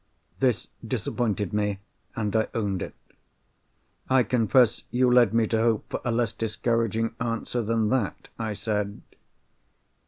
This disappointed me; and I owned it. "I confess you led me to hope for a less discouraging answer than that," I said.